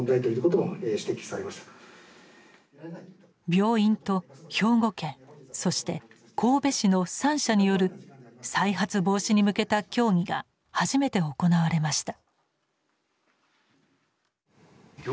病院と兵庫県そして神戸市の三者による再発防止に向けた協議が初めて行われました。